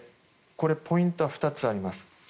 ポイントは２つあります。